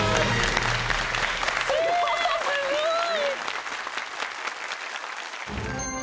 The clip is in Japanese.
すごい！